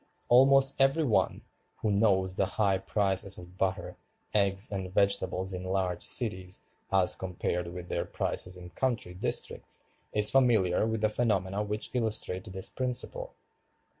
Almost every one, who knows the high prices of butter, eggs, and vegetables in large cities as compared with their prices in country districts, is familiar with the phenomena which illustrate this principle.